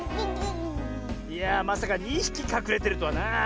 いやあまさか２ひきかくれてるとはなあ。